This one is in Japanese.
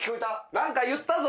何か言ったぞ